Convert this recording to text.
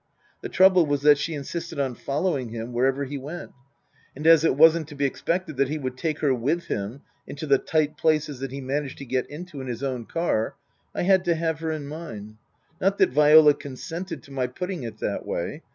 The trouble was that she insisted on following him wherever he went. And as it wasn't to be expected that he would take her with him into the tight places that he managed to get into in his own car, I had to have her in mine. Not that Viola con sented to my putting it that way.